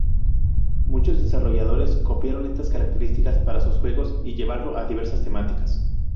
Muchos desarrolladores copiaron estas características para sus juegos, y llevarlo a diversas temáticas.